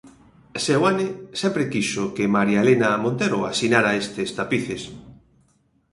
Seoane sempre quixo que María Elena Montero asinara estes tapices.